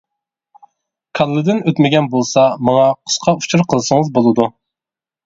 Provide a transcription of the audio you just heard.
كاللىدىن ئۆتمىگەن بولسا ماڭا قىسقا ئۇچۇر قىلسىڭىز بولىدۇ.